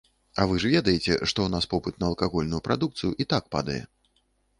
А вы ж ведаеце, што ў нас попыт на алкагольную прадукцыю і так падае.